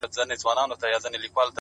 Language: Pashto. ته يې جادو په شينكي خال كي ويــنې;